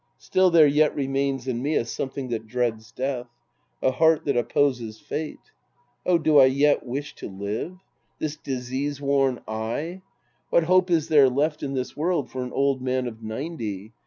Still there yet remains in me a something that dreads death. A heart that opposes fate. Oh, do I yet wish to live ? This disease worn I ? What hope is there left in this world for an old man of ninety